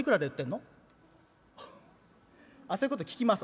あっそういうこと聞きます？